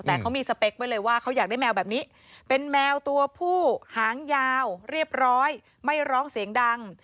แต่เขามีสเปคไว้เลยว่าเขาอยากได้แมวแบบนี้เป็นแมวตัวผู้หางยาวเรียบร้อยไม่ร้องเสียงดัง